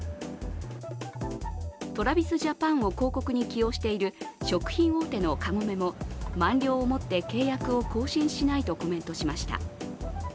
ＴｒａｖｉｓＪａｐａｎを広告に起用している食品大手のカゴメも満了をもって契約を更新しないとコメントしました。